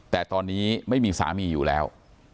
แต่ตอนนี้ไม่มีสามีอยู่แล้ว